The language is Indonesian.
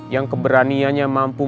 yang keberanianya mampu